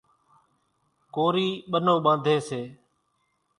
ڪورِي ٻنو ٻانڌيَ سي۔